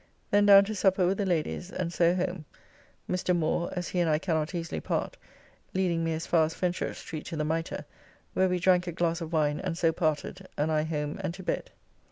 Then down to supper with the ladies, and so home, Mr. Moore (as he and I cannot easily part) leading me as far as Fenchurch Street to the Mitre, where we drank a glass of wine and so parted, and I home and to bed.